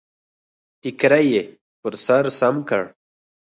ټکری يې پر سر سم کړ.